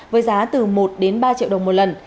với giá từ một ba triệu đồng một lần